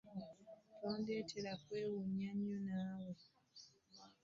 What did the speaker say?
Tondetera kwewunya nnyo naawe.